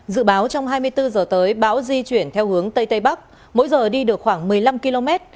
dự báo trong hai mươi bốn h tới bão di chuyển theo hướng tây tây bắc mỗi giờ đi được khoảng một mươi năm km